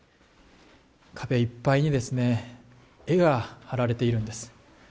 壁いっぱいに絵が貼られているんです。